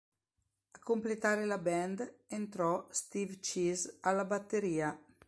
A completare la band entrò Steve Cheese alla batteria.